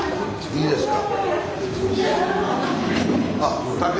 いいですか？